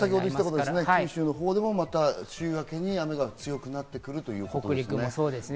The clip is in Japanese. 九州などでも週明けに雨が強くなってくるということですね。